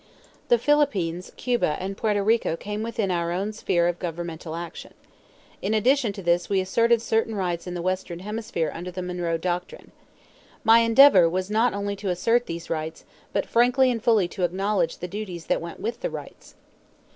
The Philippines, Cuba, and Porto Rico came within our own sphere of governmental action. In addition to this we asserted certain rights in the Western Hemisphere under the Monroe Doctrine. My endeavor was not only to assert these rights, but frankly and fully to acknowledge the duties that went with the rights.